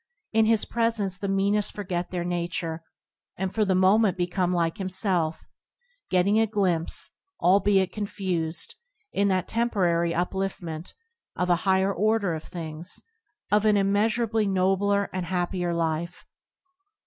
In his presence the meanest forget their nature, and for the mo ment become like himself, gettinga glimpse, albeit confused, in that temporary uplift ment, of a higher order of things, of an im measurably nobler and happier life.